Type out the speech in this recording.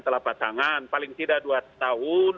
telapa tangan paling tidak dua tahun